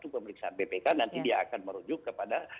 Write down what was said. pemeriksaan bpk nanti dia akan merujuk kepada